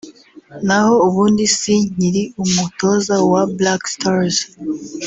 naho ubundi si nkiri umutoza wa Black stars”